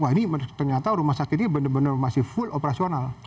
wah ini ternyata rumah sakit ini benar benar masih full operasional